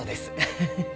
フフフ。